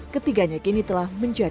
ketiganya kini telah dikumpulkan